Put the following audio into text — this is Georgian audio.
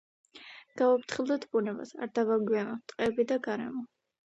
გავუფრთხილდეთ ბუნებას, არ დავანაგვიანოთ ტყეები და გარემო